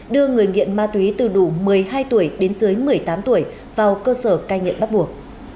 đưa người nghiện ma túy từ đủ một mươi hai tuổi đến dưới một mươi tám tuổi vào cơ sở cai nghiện bắt buộc